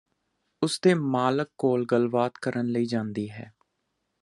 ਉਸਦੇ ਮਾਲਕ ਕੋਲ ਗੱਲਬਾਤ ਕਰਨ ਲਈ ਜਾਂਦੀ ਹੈਂ